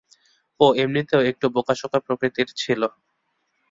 ও এমনিতেও একটু বোকাসোকা প্রকৃতির ছিল!